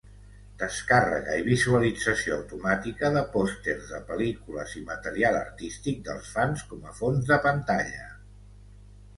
Descàrrega i visualització automàtica de pòsters de pel·lícules i material artístic dels fans com a fons de pantalla.